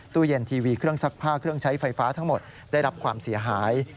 ตู้เย็นทีวีเครื่องซักผ้าเครื่องใช้ไฟฟ้าทั้งหมดได้รับความเสียหาย